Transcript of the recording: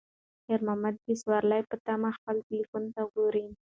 خیر محمد د سوارلۍ په تمه خپل تلیفون ته ګوري.